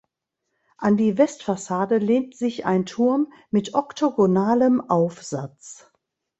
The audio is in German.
An die Westfassade lehnt sich ein Turm mit oktogonalem Aufsatz.